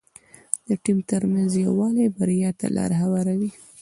د ټيم ترمنځ یووالی بریا ته لاره هواروي.